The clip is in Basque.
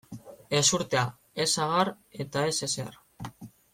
Ezurtea, ez sagar eta ez ezer.